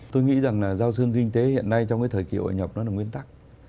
tôi nghĩ rằng là giao thương kinh tế hiện nay trong cái thời kỳ hội nhập nó là nguyên tắc